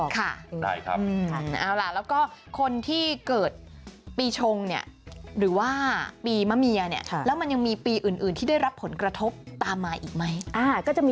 ก็จะมีอีกสามปี